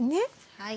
はい。